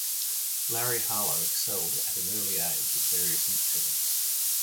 Larry Harlow excelled at an early age at various instruments.